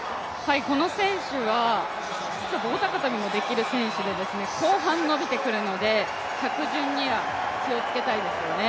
この選手は棒高跳もできる選手で後半伸びてくるので、着順には気をつけたいですね。